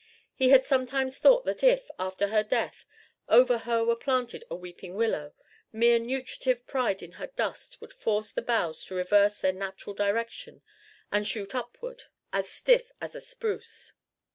He had sometimes thought that if, after her death, over her were planted a weeping willow, mere nutritive pride in her dust would force the boughs to reverse their natural direction and shoot upward as stiff as a spruce.